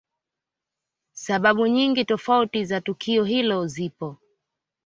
Sababu nyingi tofauti za tukio hilo zipo